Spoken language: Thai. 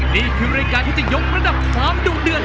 นี่คือรายการที่จะยกระดับความดุเดือด